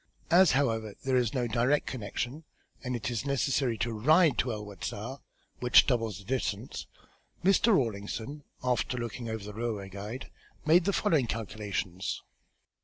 As, however, there is no direct connection and it is necessary to ride to El Wasta, which doubles the distance, Mr. Rawlinson, after looking over the railway guide, made the following calculations.